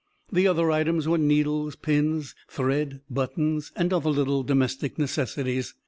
The other items were needles, pins, thread, buttons, and other little domestic necessities.